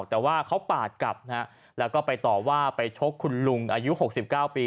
แต่ว่าเขาปาดกลับนะฮะแล้วก็ไปต่อว่าไปชกคุณลุงอายุ๖๙ปี